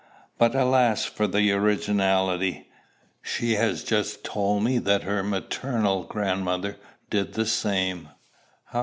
But, alas for the originality! she has just told me that her maternal grandmother did the same.